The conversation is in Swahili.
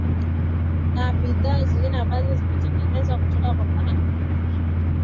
na bidhaa zingine ambazo zinatengenezwa kutoka kwa kahawa je